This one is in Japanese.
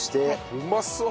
うまそう！